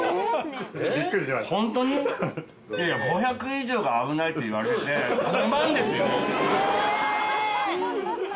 いやいや５００以上が危ないっていわれてて５万ですよ？